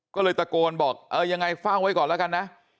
ก็เลยตะโกนบอกเออยังไงเฝ้าไว้ก่อนแล้วกันนะ